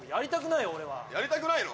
やりたくないよ